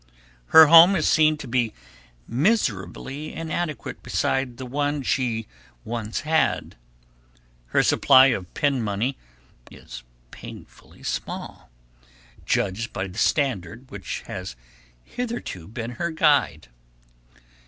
Her home is seen to be miserably inadequate beside the one she once had. Her supply of pin money is painfully small, judged by the standard which has hitherto been her guide.